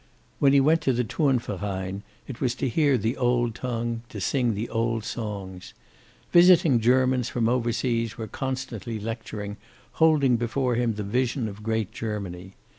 When he went to the Turnverein, it was to hear the old tongue, to sing the old songs. Visiting Germans from overseas were constantly lecturing, holding before him the vision of great Germany.